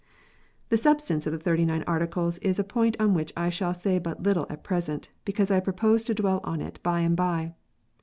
The substance of the Thirty nine Articles is a point on which I shall say but little at present, because I propose to dwell on it by and by.